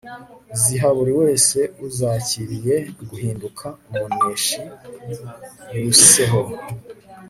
ziha buri wese uzakiriye guhinduka umuneshi biruseho